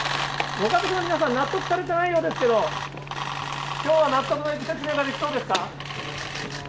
ご家族の皆さん、納得されてないようですけど、きょうは納得のいく説明ができそ